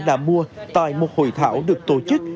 đã mua tại một hội thảo được tổ chức